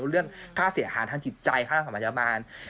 เรื่องค่าเสียหาทางจิตใจค่าทางสมัยบาล